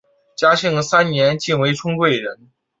嘉庆三年晋为春贵人。